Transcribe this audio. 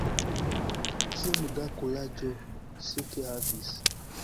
Kiom da kuraĝo Silke havis!